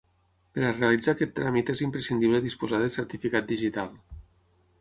Per realitzar aquest tràmit és imprescindible disposar de certificat digital.